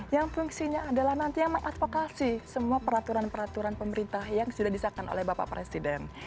yang fungsinya adalah nanti yang mengadvokasi semua peraturan peraturan pemerintah yang sudah disahkan oleh bapak presiden